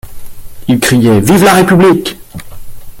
Il criait: Vive la république!